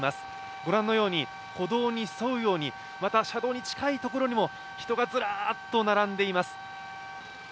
御覧のように歩道に沿うように、また車道に近い所にも人がずらーっと並んでいます。